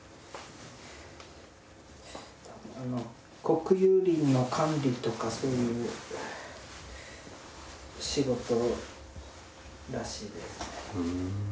国有林の管理とかそういう仕事らしいです。